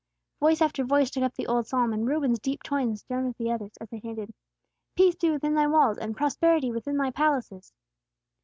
Voice after voice took up the old psalm, and Reuben's deep tones joined with the others, as they chanted, "Peace be within thy walls, and prosperity within thy palaces!"